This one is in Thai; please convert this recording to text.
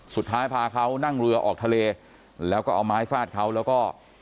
สุดท้ายพาเขานั่งเรือออกทะเลแล้วก็เอาไม้ฟาดเขาแล้วก็